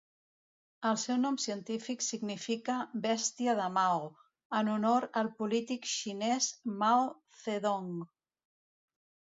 El seu nom científic significa "bèstia de Mao", en honor al polític xinès Mao Zedong.